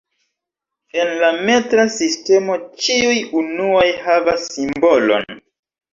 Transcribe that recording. En la metra sistemo, ĉiuj unuoj havas "simbolon".